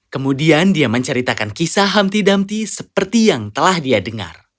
kemudian dia menceritakan kisah hamti damti seperti yang telah dia dengar